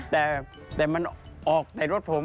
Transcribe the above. แต่มันออกในรถผม